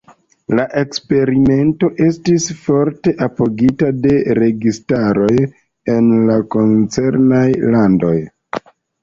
La eksperimento estis forte apogita de registaroj en la koncernaj landoj.